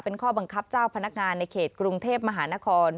เป็นข้อบังคับเจ้าพนักงานในเขตกรุงเทพมหานคร